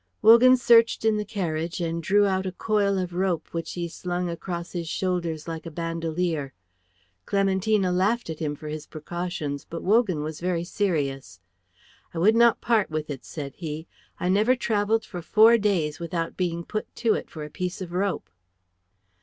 Wogan searched in the carriage and drew out a coil of rope which he slung across his shoulders like a bandolier. Clementina laughed at him for his precautions, but Wogan was very serious. "I would not part with it," said he. "I never travelled for four days without being put to it for a piece of rope."